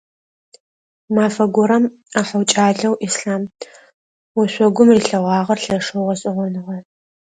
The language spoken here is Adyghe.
Мафэ горэм ӏэхъо кӏалэу Ислъам ошъогум рилъэгъуагъэр лъэшэу гъэшӏэгъоныгъэ.